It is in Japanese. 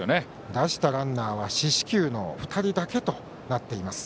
出したランナーは四死球の２人だけとなっています。